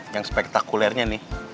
yang spektakulernya nih